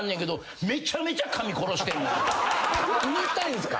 言いたいんすか？